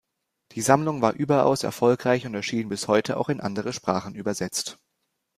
Die Sammlung war überaus erfolgreich und erschien bis heute auch in andere Sprachen übersetzt.